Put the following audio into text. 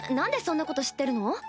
んでそんなこと知ってるの？